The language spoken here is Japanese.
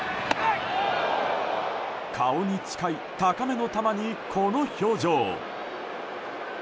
顔に近い高めの球に、この表情。